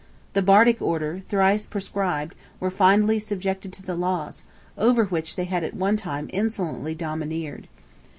The Bardic Order, thrice proscribed, were finally subjected to the laws, over which they had at one time insolently domineered.